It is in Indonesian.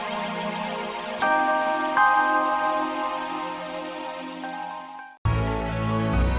aduh udah gak sabar eke